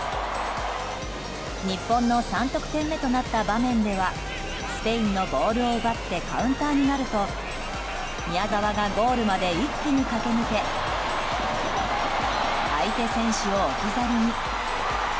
日本の３得点目となった場面ではスペインのボールを奪ってカウンターになると宮澤がゴールまで一気に駆け抜け相手選手を置き去りに。